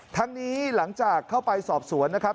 ทั้งนี้หลังจากเข้าไปสอบสวนนะครับ